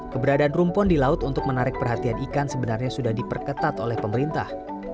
keberadaan rumpon di laut untuk menarik perhatian ikan sebenarnya sudah diperketat oleh pemerintah